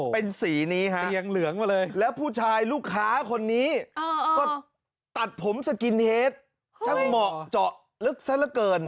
เป็นสีนี้ฮะแล้วผู้ชายลูกค้าคนนี้ก็ตัดผมสกินเทสช่างเหมาะเจาะลึกซักละเกิน